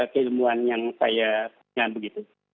kehidupan yang saya mengambil